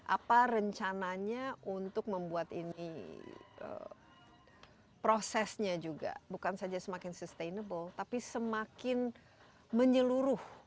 apa rencananya untuk membuat ini prosesnya juga bukan saja semakin sustainable tapi semakin menyeluruh